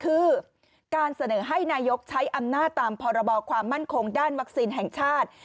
คือการเสนอให้นายกใช้อำนาจตามพรบความมั่นคงด้านวัคซีนแห่งชาติ